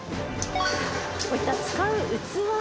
こういった使う器もね